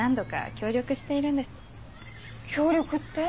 協力って？